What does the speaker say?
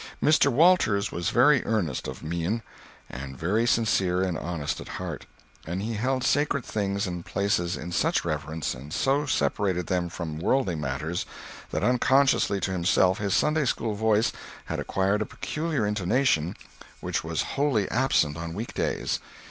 Mr. Walters was very earnest of mien, and very sincere and honest at heart; and he held sacred things and places in such reverence, and so separated them from worldly matters, that unconsciously to himself his Sunday school voice had acquired a peculiar intonation which was wholly absent on week days.